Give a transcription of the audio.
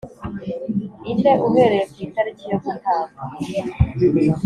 ine uhereye ku itariki yo gutanga